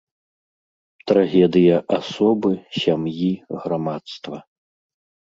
Трагедыя асобы, сям'і, грамадства.